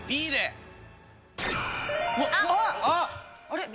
あっ！